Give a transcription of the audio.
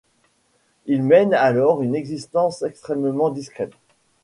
Il mène alors une existence extrêmement discrète.